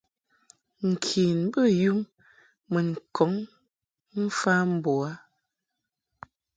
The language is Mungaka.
Nken bey um mun kɔŋ mfa mbo u a.